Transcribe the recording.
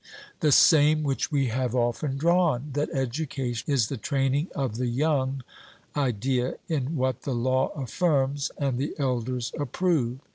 The same which we have often drawn, that education is the training of the young idea in what the law affirms and the elders approve.